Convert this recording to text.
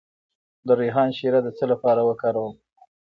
د ریحان شیره د څه لپاره وکاروم؟